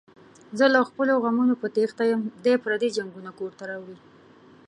زه له خپلو غمونو په تېښته یم، دی پري جنگونه کورته راوړي.